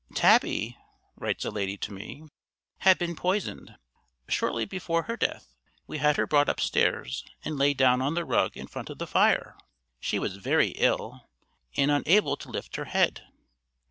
"Tabby," writes a lady to me, "had been poisoned. Shortly before her death, we had her brought upstairs and laid down on the rug in front of the fire, she was very ill, and unable to lift her head.